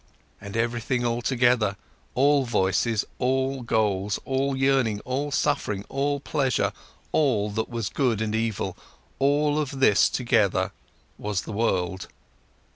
And everything together, all voices, all goals, all yearning, all suffering, all pleasure, all that was good and evil, all of this together was the world.